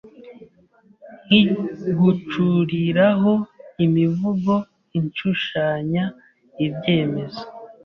Nkigucuriraho imivugo Ishushanya ibyemezo